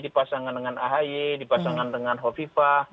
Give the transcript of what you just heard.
dipasangkan dengan ahy dipasangkan dengan hovifa